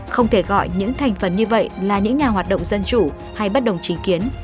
không thể gọi những thành phần như vậy là những nhà hoạt động dân chủ hay bất đồng chính kiến